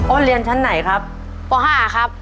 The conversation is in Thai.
เรียนชั้นไหนครับป๕ครับ